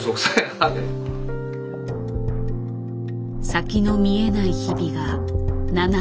先の見えない日々が７年。